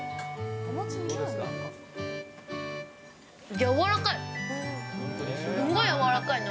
やわらかい。